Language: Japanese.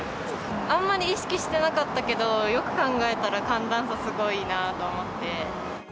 あんまり意識してなかったけど、よく考えたら寒暖差すごいなと思って。